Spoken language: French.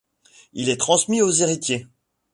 Il est transmis aux héritiers.